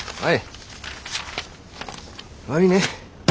はい。